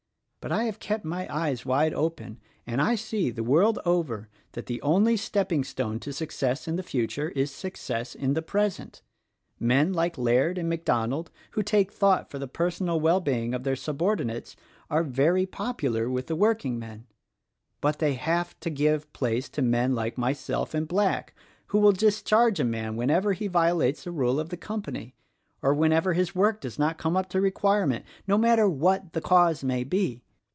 But I have kept my eyes wide open, and I see — the world over — that the only stepping stone to success in the future is success in the present. Men like Laird and MacDonald who take thought for the personal wellbeing of their sub ordinates are very popular with the workingmen; but they have to give place to men like myself and Black who will discharge a man whenever he violates a rule of the com pany, or whenever his work does not come up to require ment — no matter what the cause may be.